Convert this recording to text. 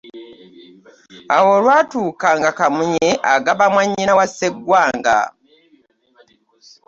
Awo olwatuuka nga Kamunye agaba mwannyina wa Sseggwanga.